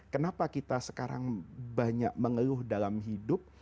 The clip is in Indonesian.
kenapa kita sekarang banyak mengeluh dalam hidup